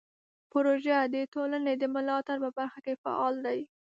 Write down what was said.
پروژه د ټولنې د ملاتړ په برخه کې فعال دی.